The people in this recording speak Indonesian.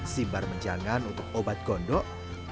simbar menjangan untuk obat gondok